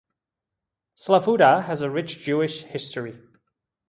Slavuta has a rich Jewish history.